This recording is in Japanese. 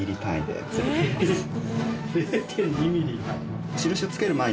０．２ミリ。